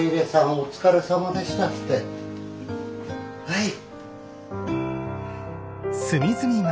はい。